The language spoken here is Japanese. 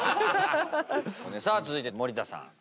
さあ続いて森田さん。